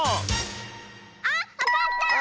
あわかった！